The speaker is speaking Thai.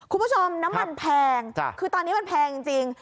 คุณผู้ชมน้ำมันแพงคือตอนนี้มันแพงจริง